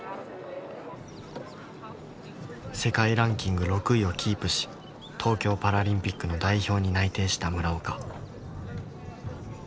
世界ランキング６位をキープし東京パラリンピックの代表に内定した村岡。